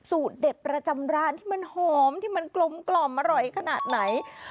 สูตรเด็ดประจำร้านที่มันหอมที่มันกลมอร่อยขนาดไหน